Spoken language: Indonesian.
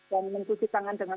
dan mencuci tangan dengan